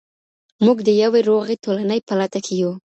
موږ د يوې روغي ټولني په لټه کي يو.